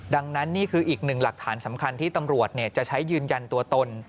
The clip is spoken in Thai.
ดังนั้นนี่คืออีกหนึ่งหลักฐานสำคัญที่ตำรวจจะใช้ยืนยันตัวตน